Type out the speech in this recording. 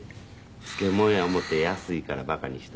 漬物や思って安いから馬鹿にしたら。